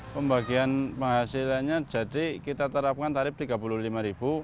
pembagian penghasilannya jadi kita terapkan tarif rp tiga puluh lima